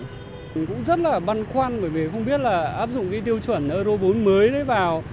mình cũng rất là băn khoăn bởi vì không biết là áp dụng cái tiêu chuẩn euro bốn mới vào